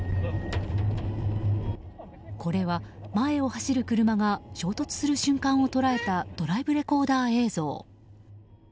これは前を走る車が衝突する瞬間を捉えたドライブレコーダー映像。